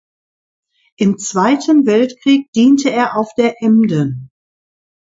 Im Zweiten Weltkrieg diente er auf der "Emden".